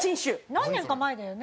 何年か前だよね。